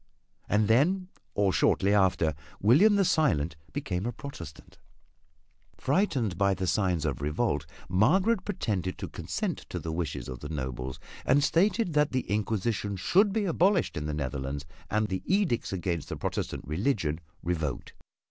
And then, or shortly after, William the Silent became a Protestant. Frightened by the signs of revolt Margaret pretended to consent to the wishes of the nobles and stated that the Inquisition should be abolished in the Netherlands and the edicts against the Protestant religion revoked.